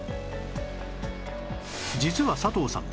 実は佐藤さん